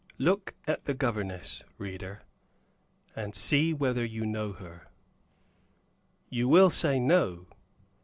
Look at the governess, reader, and see whether you know her. You will say "No."